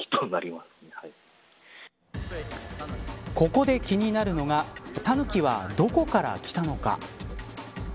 ここで気になるのがタヌキは、どこから来たのか。